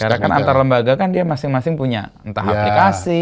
karena kan antar lembaga kan dia masing masing punya entah aplikasi